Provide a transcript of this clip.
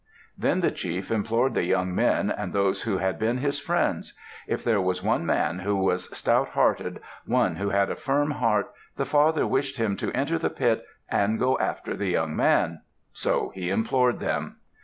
Then the chief implored the young men and those who had been his friends. If there was one man who was stout hearted, one who had a firm heart, the father wished him to enter the pit and go after the young man. So he implored them.